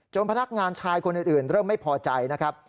พนักงานชายคนอื่นเริ่มไม่พอใจนะครับ